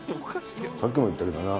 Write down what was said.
さっきも言ったけどな。